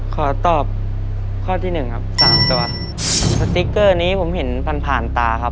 ขอตอบข้อที่หนึ่งครับสามตัวสติ๊กเกอร์นี้ผมเห็นผ่านผ่านตาครับ